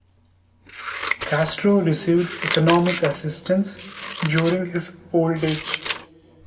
Castro received economic assistance during his old age.